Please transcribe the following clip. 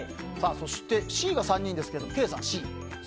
そしてＣが３人ですがケイさん、Ｃ。